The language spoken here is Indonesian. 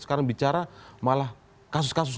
sekarang bicara malah kasus kasus